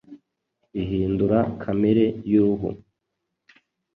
ihindura kamere y’ uruhu.